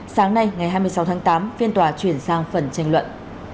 sáng nay ngày hai mươi sáu tháng tám phiên tòa chuyển sang phần tranh luận